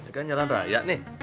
ini kan jalan raya nih